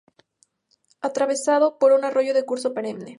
Atravesado por un arroyo de curso perenne.